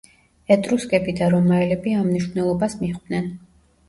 ეტრუსკები და რომაელები ამ მნიშვნელობას მიჰყვნენ.